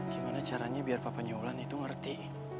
gimana caranya biar papanya ulan itu ngerti